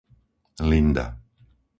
Linda